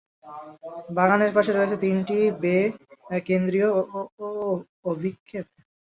বাগানের পাশে রয়েছে তিনটি বে কেন্দ্রীয় অভিক্ষেপ।